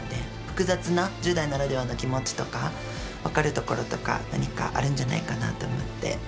複雑な１０代ならではの気持ちとか分かるところとか何かあるんじゃないかなと思って。